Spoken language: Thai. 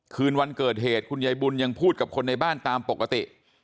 คืนวันเกิดเหตุคุณยายบุญยังพูดกับคนในบ้านตามปกติ